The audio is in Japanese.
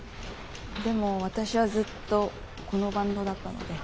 でも私はずっとこのバンドだったので。